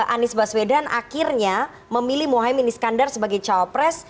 anies baswedan akhirnya memilih mohaimin iskandar sebagai cawapres